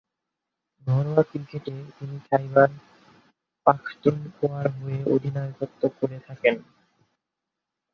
ঘরোয়া ক্রিকেটে তিনি খাইবার পাখতুনখোয়ার হয়ে অধিনায়কত্ব করে থাকেন।